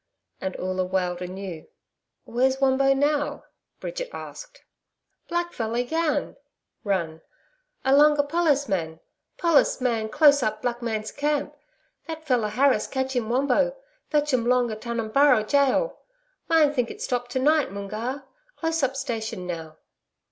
And Oola wailed anew. 'Where's Wombo now?' Bridget asked. 'Blackfeller YAN (run) along a pollis man. Pollis man close up black's camp. That feller Harris catch 'im Wombo fetch um long a Tunumburra gaol. Mine think it stop to night Moongarr. Close up station now.'